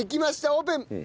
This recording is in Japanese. オープン！